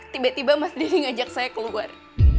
tiba tiba mas dede ngajak saya keluar